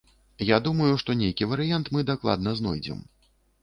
Я думаю, што нейкі варыянт мы дакладна знойдзем.